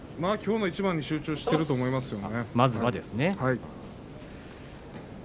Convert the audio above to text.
きょうの一番に集中していると思います。